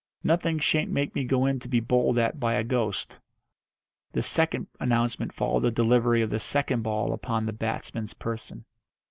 "Nothing shan't make me go in to be bowled at by a ghost." This second announcement followed the delivery of the second ball upon the batsman's person.